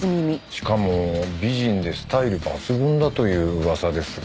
しかも美人でスタイル抜群だという噂ですが。